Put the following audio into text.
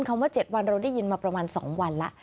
ว่า๗วันเราได้ยินมาประมาณ๒วันแล้ว